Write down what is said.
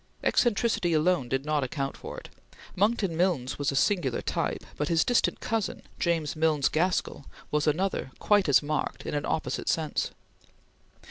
Eccentricity alone did not account for it. Monckton Milnes was a singular type, but his distant cousin, James Milnes Gaskell, was another, quite as marked, in an opposite sense.